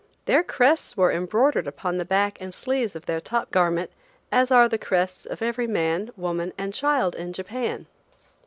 Their crests were embroidered upon the back and sleeves of their top garment as are the crests of every man, woman and child in Japan.